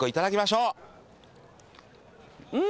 うん。